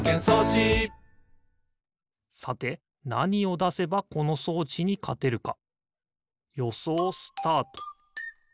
さてなにをだせばこの装置にかてるかよそうスタート！